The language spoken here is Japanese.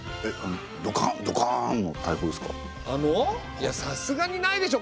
いやさすがにないでしょ。